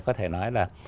có thể nói là